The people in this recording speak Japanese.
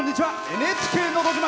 「ＮＨＫのど自慢」。